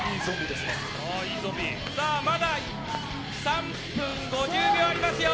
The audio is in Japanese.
まだ３分５０秒ありますよ！